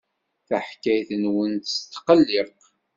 Taḥkayt-nwen tesqelliq.